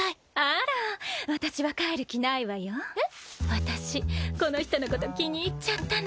私この人のこと気に入っちゃったの。